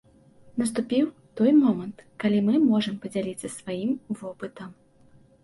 Наступіў той момант, калі мы можам падзяліцца сваім вопытам.